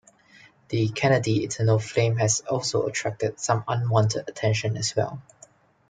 The Kennedy eternal flame has also attracted some unwanted attention as well.